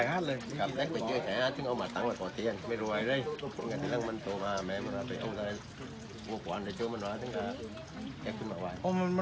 น้ำปลาบึกกับซ่าหมกปลาร่า